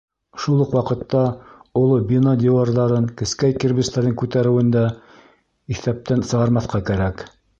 Шул уҡ ваҡытта оло бина диуарҙарын кескәй кирбестәрҙең күтәреүен дә иҫәптән сығармаҫҡа кәрәк.